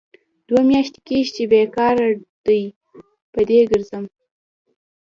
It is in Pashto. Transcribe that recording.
دوه میاشې کېږي بې کاره ډۍ په ډۍ کرځم.